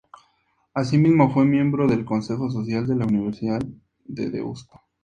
Asimismo fue miembro del Consejo Social de la Universidad de Deusto.